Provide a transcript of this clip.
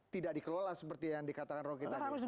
tidak dikelola seperti yang dikatakan rocky tadi